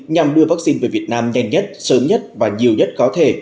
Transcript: nhằm đưa vaccine về việt nam nhanh nhất sớm nhất và nhiều nhất có thể